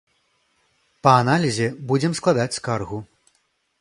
Па аналізе будзем складаць скаргу.